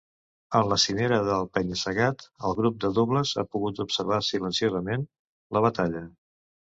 En la cimera del penya-segat, el grup de Douglas ha pogut observar silenciosament la batalla.